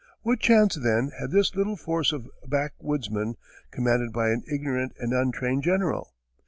What chance, then, had this little force of backwoodsmen, commanded by an ignorant and untrained general?